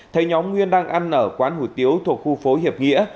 thấy nhóm nguyên đang ăn ở quán hủ tiếu thuộc khu phố hiệp nghĩa